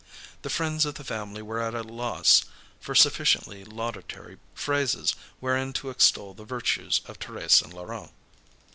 The friends of the family were at a loss for sufficiently laudatory phrases wherein to extol the virtues of Thérèse and Laurent.